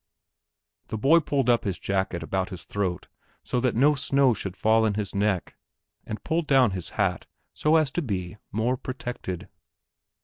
The boy pulled up his jacket about his throat so that no snow should fall in his neck, and pulled down his hat so as to be more protected.